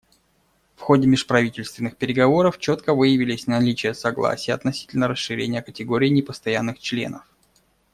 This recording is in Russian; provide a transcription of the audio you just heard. В ходе межправительственных переговоров четко выявилось наличие согласия относительно расширения категории непостоянных членов.